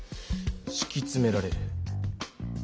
しきつめられる。